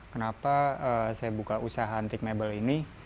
kenapa saya buka usaha antik mebel ini